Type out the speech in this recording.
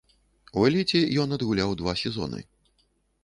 У эліце ён адгуляў два сезоны.